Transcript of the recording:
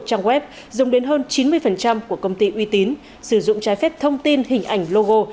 trang web dùng đến hơn chín mươi của công ty uy tín sử dụng trái phép thông tin hình ảnh logo